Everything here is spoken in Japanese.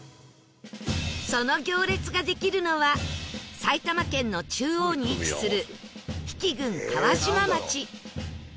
その行列ができるのは埼玉県の中央に位置する比企郡川島町